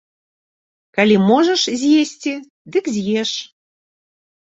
Калі можаш з'есці, дык з'еш.